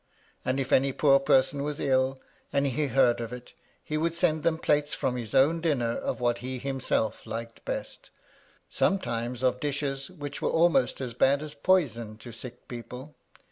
And if any poor person was ill, and he heard of it, he would send them plates from his own dinner of what he himself liked best; sometimes of dishes which were almost as bad as poison to sick people.